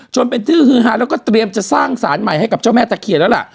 จนเป็นที่ฮือฮาแล้วก็เตรียมจะสร้างสารใหม่ให้กับเจ้าแม่ตะเคียนแล้วล่ะ